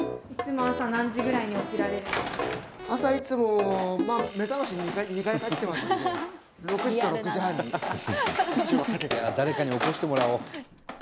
朝いつも誰かに起こしてもらおう。